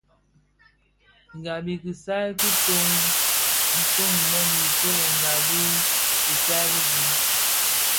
Gab i kisaï ki nton nto inèn yo kilèn di biag bi bum.